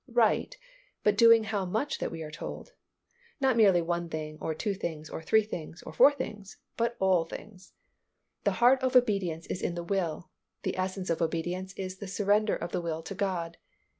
Right, but doing how much that we are told? Not merely one thing or two things or three things or four things, but all things. The heart of obedience is in the will, the essence of obedience is the surrender of the will to God.